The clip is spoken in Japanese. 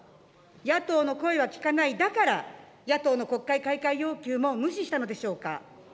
野党の声は聞かない、だから野党の国会開会要求も無視したのでしょうか。